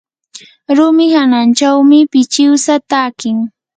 rumi hanachawmi pichiwsa takin.